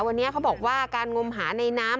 เขาบอกว่าการมุมหาในน้ำ